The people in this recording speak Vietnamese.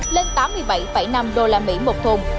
lên tám mươi bảy năm usd một thùng